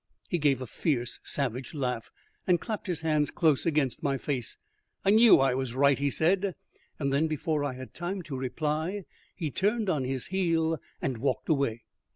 He gave a fierce savage laugh, and clapped his hands close against my face. "I knew I was right," he said; and then, before I had time to reply, he turned on his heel and walked away.